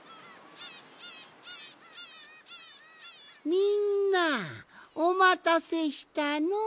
みんなおまたせしたのう。